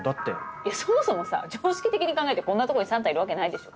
いやそもそもさ常識的に考えてこんなとこにサンタいるわけないでしょ。